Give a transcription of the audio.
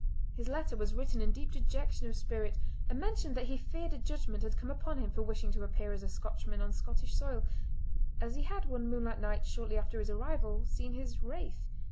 His letter was written in deep dejection of spirit, and mentioned that he feared a judgment had come upon him for wishing to appear as a Scotchman on Scottish soil, as he had one moonlight night shortly after his arrival seen his "wraith".